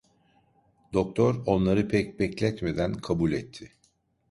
Doktor onları pek bekletmeden kabul etti.